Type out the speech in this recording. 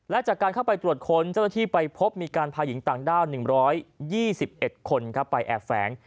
และจากการเข้าไปตรวจค้นเจ้าหน้าที่ไปพบมีการพาหญิงต่างด้าว๑๒๑คนไปแอบแฝง